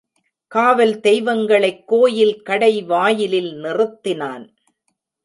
காவல் தெய்வங்களைக் கோயில் கடைவாயிலில் நிறுத்தினான்.